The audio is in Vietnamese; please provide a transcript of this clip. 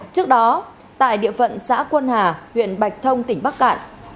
trước đó tại địa phận xã quân hà huyện bạch thông tỉnh bắc cạn